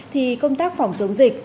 thì công tác phòng chống dịch